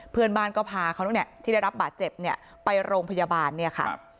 เพื่อนบ้านก็พาเขาเนี่ยที่ได้รับบาดเจ็บเนี่ยไปโรงพยาบาลเนี่ยค่ะ